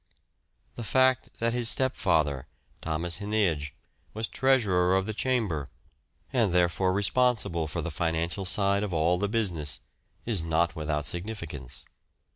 The fact that his step father, Thomas Henneage, was Treasurer of the Chamber, and there fore responsible for the financial side of all the business, is not without significance.